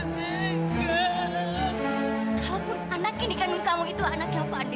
walaupun anak yang dikandung kamu adalah anak yang berani